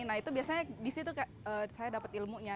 nah itu biasanya di situ saya dapat ilmunya